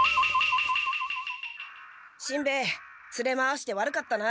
しんべヱつれ回して悪かったな。